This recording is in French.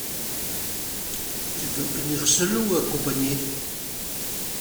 Tu vas venir seul ou accompagné ?